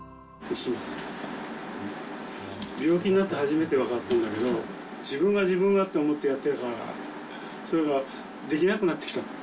病気になって初めて分かったんだけど、自分が自分がと思ってやってたのが、それができなくなってきた。